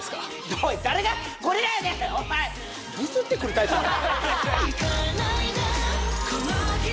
おい誰がゴリラやねんお前ディスってくるタイプなの？